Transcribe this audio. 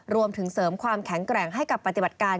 รวมถึงเสริมความแข็งแกร่งให้กับปฏิบัติการ